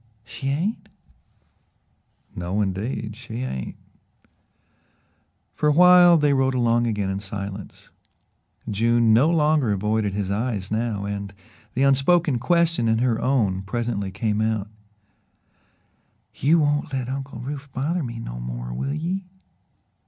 "She ain't?" "No, indeed, she ain't." For a while they rode along again in silence. June no longer avoided his eyes now, and the unspoken question in her own presently came out: "You won't let Uncle Rufe bother me no more, will ye?"